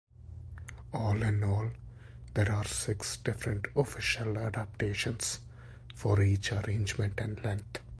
All in all, there are six different official adaptations, for each arrangement and length.